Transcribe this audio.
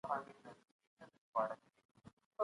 په تیاره توره نړۍ کي